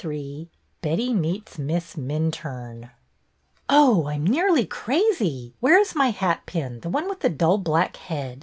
XXIII BETTY MEETS MISS MINTURNE O H, I 'm nearly crazy ! Where is my hatpin, the one with the dull black head?